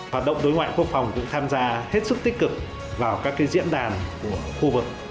hoạt động đối ngoại quốc phòng cũng tham gia hết sức tích cực vào các diễn đàn của khu vực